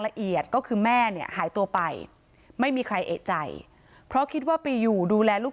ละเอียดก็คือแม่เนี่ยหายตัวไปไม่มีใครเอกใจเพราะคิดว่าไปอยู่ดูแลลูก